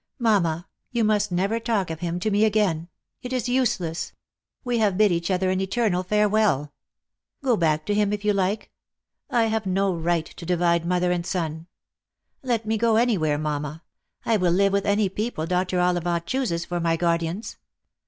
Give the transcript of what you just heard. Mamma, you must never talk of him to m£ again. It is useless. We have bid each other an eternal farewell. Go back to him, if you. like. I have no right to divide mother and son. Let me go anywhere, mamma; I will live with any people Dr. Ollivant chooses for my guardians.